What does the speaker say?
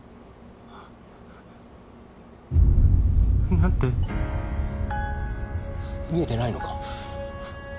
なんで見えてないのか？